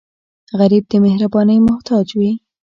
غریب د مهربانۍ محتاج وي